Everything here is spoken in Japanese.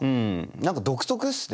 何か独特っすね